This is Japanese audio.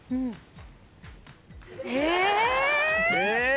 え？